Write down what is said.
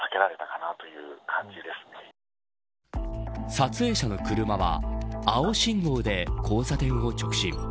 撮影者の車は青信号で交差点を直進。